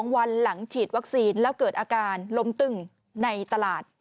วันหลังฉีดวัคซีนแล้วเกิดอาการลมตึ้งในตลาด